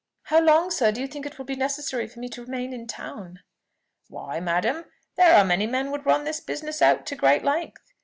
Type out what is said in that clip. "How long, sir, do you think it will be necessary for me to remain in town?" "Why, madam, there are many men would run this business out to great length.